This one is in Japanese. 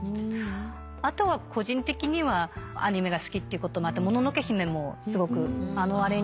あとは個人的にはアニメが好きっていうこともあって『もののけ姫』もすごくあのアレンジが大好きでしたね。